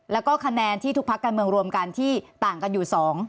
แล้วก็คะแนนที่ทุกพักการเมืองรวมกันที่ต่างกันอยู่๒